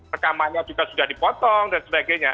rekamannya juga sudah dipotong dan sebagainya